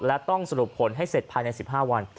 และต้องสรุปผลให้เสร็จภายใน๑๕วัน